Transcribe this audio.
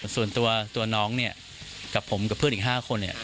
ส่วนตัวน้องเนี่ยกับผมกับเพื่อนอีก๕คน